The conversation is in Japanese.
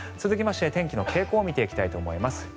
続きまして天気の傾向を見ていきたいと思います。